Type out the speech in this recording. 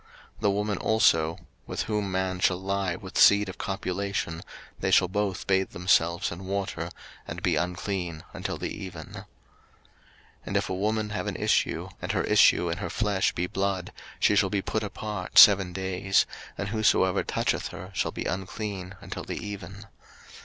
03:015:018 The woman also with whom man shall lie with seed of copulation, they shall both bathe themselves in water, and be unclean until the even. 03:015:019 And if a woman have an issue, and her issue in her flesh be blood, she shall be put apart seven days: and whosoever toucheth her shall be unclean until the even.